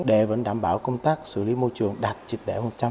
để vẫn đảm bảo công tác xử lý môi trường đạt trị đẻ một trăm linh